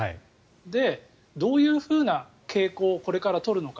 で、どういうふうな傾向をこれから取るのか。